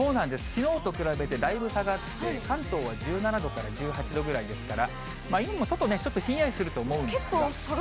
きのうと比べてだいぶ下がって、関東は１７度から１８度ぐらいですから、今も外ひんやりすると思うんですが。